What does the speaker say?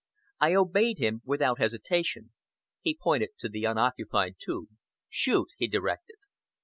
I obeyed him without hesitation. He pointed to the unoccupied tube. "Shoot!" he directed.